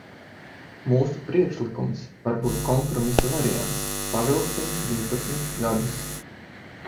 Mūsu priekšlikums, varbūt kompromisa variants: pavilksim divpadsmit gadus.